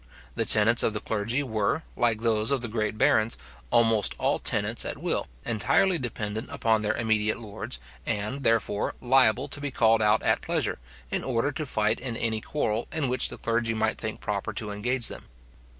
The tenants of the clergy were, like those of the great barons, almost all tenants at will, entirely dependent upon their immediate lords, and, therefore, liable to be called out at pleasure, in order to fight in any quarrel in which the clergy might think proper to engage them.